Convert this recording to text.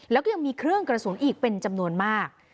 แล้วก็ยังมีเครื่องกระสุนอีกเป็นจำนวนมาก